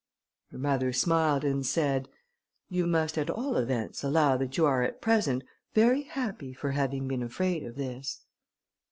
Her mother smiled and said, "You must at all events allow that you are at present very happy for having been afraid of this."